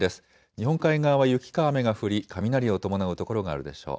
日本海側は雪か雨が降り雷を伴う所があるでしょう。